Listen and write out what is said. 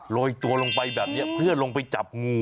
โรยตัวลงไปแบบนี้เพื่อลงไปจับงู